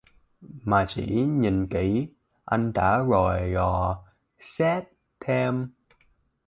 Mà chỉ nhìn kỹ anh ta rồi dò xét thêm